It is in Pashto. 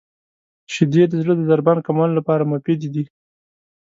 • شیدې د زړه د ضربان کمولو لپاره مفیدې دي.